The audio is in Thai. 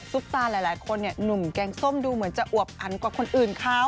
ตาหลายคนหนุ่มแกงส้มดูเหมือนจะอวบอันกว่าคนอื่นเขา